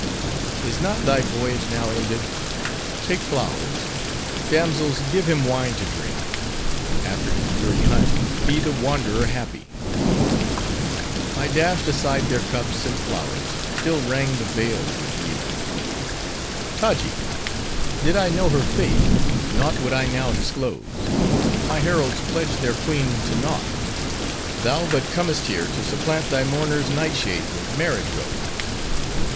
"Is not thy voyage now ended?—Take flowers! Damsels, give him wine to drink. After his weary hunt, be the wanderer happy." I dashed aside their cups, and flowers; still rang the vale with Yillah! "Taji! did I know her fate, naught would I now disclose; my heralds pledged their queen to naught. Thou but comest here to supplant thy mourner's night shade, with marriage roses.